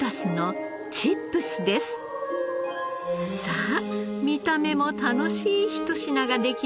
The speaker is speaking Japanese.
さあ見た目も楽しい一品ができました。